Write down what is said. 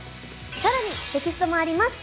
更にテキストもあります。